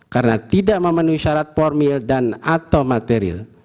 karena tidak memenuhi syarat formil dan atau material